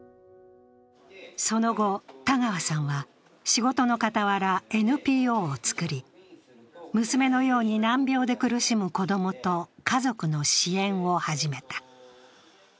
その後、田川さんは仕事の傍らＮＰＯを作り、娘のように難病で苦しむ子供と家族の支援を始めた。